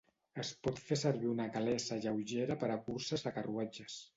Es pot fer servir una calessa lleugera per a curses de carruatges.